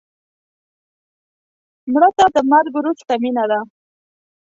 مړه ته د مرګ وروسته مینه ده